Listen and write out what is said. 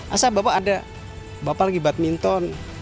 asal bapak ada bapak lagi badminton